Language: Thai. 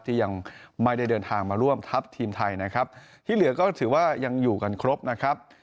ที่ยังไม่ได้เดินทางมาร่วมทัพทีมไทยนะครับที่เหลือก็ถือว่ายังอยู่กันครบนะครับ